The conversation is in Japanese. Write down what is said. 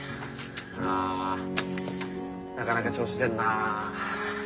ああなかなか調子出んなあ。